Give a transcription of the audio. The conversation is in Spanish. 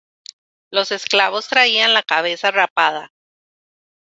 Los esclavos traían la cabeza rapada.